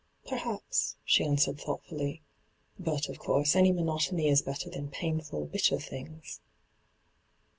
' Perhaps,' she answered thooghtfully. ' But, of course, any monotony Is better than painful, bitter things.